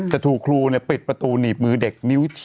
จะถูกครูปิดประตูหนีบมือเด็ก